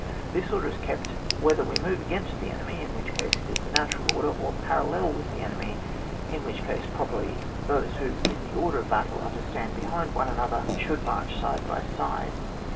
This order is kept, whether we move against the enemy — in which case it ia the natural order — or parallel with the enemy, in which case, properly, those who in the order of batde are to stand behind one another, should march side by side.